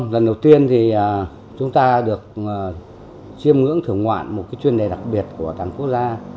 lần đầu tiên thì chúng ta được chiêm ngưỡng thưởng ngoạn một chuyên đề đặc biệt của toàn quốc gia